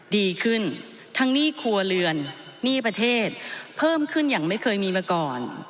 ดีขึ้นทั้งหนี้ครัวเรือนหนี้ประเทศเพิ่มขึ้นอย่างไม่เคยมีมาก่อน